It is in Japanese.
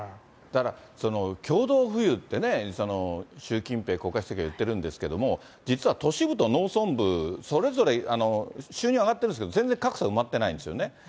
だから、共同富裕ってね、習近平国家主席は言ってるんですけども、実は都市部と農村部、それぞれ収入上がってるんですけど、全然、格差埋まってないんですよね。